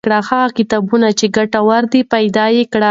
هغه کتابونه چې ګټور دي پیدا کړئ.